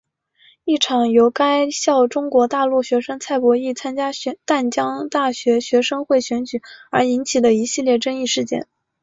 一场由该校中国大陆学生蔡博艺参选淡江大学学生会选举而引起的一系列争议事件。